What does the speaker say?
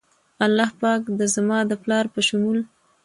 الله پاک د زما د پلار په شمول